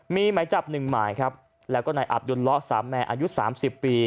มีหมายจับหนึ่งหมายและอัพดูลล้อสามแม่อายุ๓๐ปี